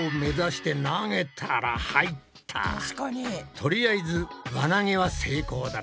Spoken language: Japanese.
とりあえず輪投げは成功だな。